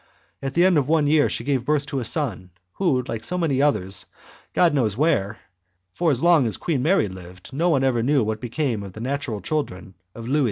At the end of one year she gave birth to a son who went, like so many others, God knows where! for as long as Queen Mary lived no one ever knew what became of the natural children of Louis XV.